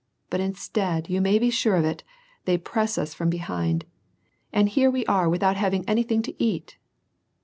But instead, you may be sure of that, they press us from behind. And here we are without having anything to eat